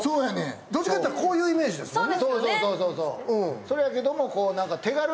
どっちかといったら、こういうイメージですよね。